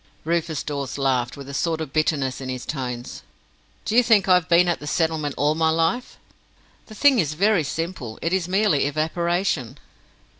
Rufus Dawes laughed, with a sort of bitterness in his tones. "Do you think I have been at 'the settlement' all my life? The thing is very simple, it is merely evaporation."